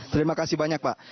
terima kasih banyak pak